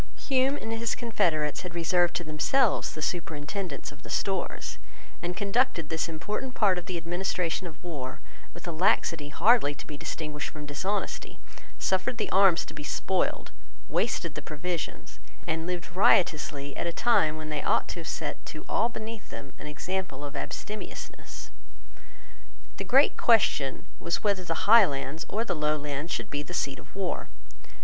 Hume and his confederates had reserved to themselves the superintendence of the Stores, and conducted this important part of the administration of war with a laxity hardly to be distinguished from dishonesty, suffered the arms to be spoiled, wasted the provisions, and lived riotously at a time when they ought to have set to all beneath them an example of abstemiousness. The great question was whether the Highlands or the Lowlands should be the seat of war.